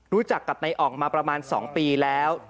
รู้จักกับนายอ่องมาประมาณ๒ปีแล้ว